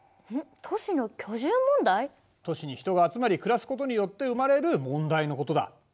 都市に人が集まり暮らすことによって生まれる問題のことだ。